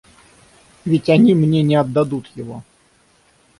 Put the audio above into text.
Ведь они мне не отдадут его.